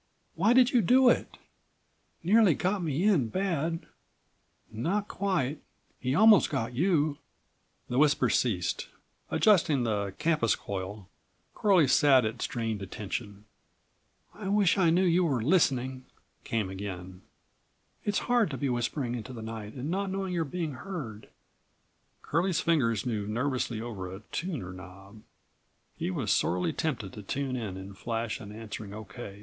Why did you do it? Nearly got me in bad. Not quite. He almost got you." The whisper ceased. Adjusting the campus coil Curlie sat at strained attention. "I wish I knew you were listening," came again. "It's hard to be whispering into the night and not knowing you're being heard." Curlie's fingers moved nervously over a tuner knob. He was sorely tempted to tune in and flash an answering "O.K.